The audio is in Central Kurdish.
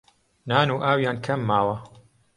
نان و ئاویان کەم ماوە